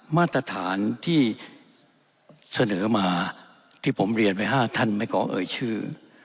มาตรฐานที่เสนอมาที่ผมเรียนไว้๕ท่านไม่ขอเอ่ยชื่อ